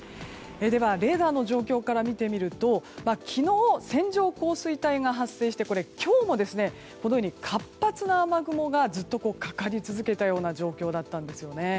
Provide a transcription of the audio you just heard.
では、レーダーの状況から見てみると昨日、線状降水帯が発生して今日もこのように活発な雨雲がずっとかかり続けているような状況だったんですね。